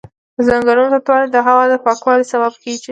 د ځنګلونو زیاتوالی د هوا د پاکوالي سبب کېږي.